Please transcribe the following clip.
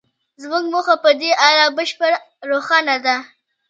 زموږ موخه په دې اړه بشپړه روښانه ده